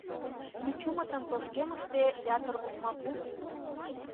Мичумытын тошкемыште ятыр олмапу уло.